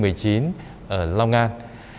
ở long an